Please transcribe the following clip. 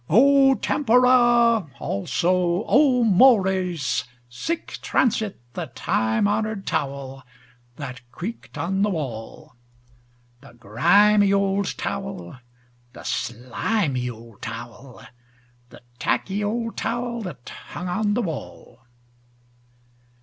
O tempora! Also, O mores! Sic transit The time honored towel that creaked on the wall. The grimy old towel, the slimy old towel, The tacky old towel that hung on the wall.